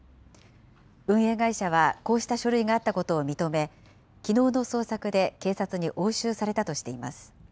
運営会社はこうした書類があったことを認め、きのうの捜索で警察に押収されたとしています。